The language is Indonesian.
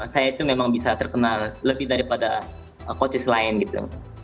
saya itu memang bisa terkenal lebih daripada coaches lain gitu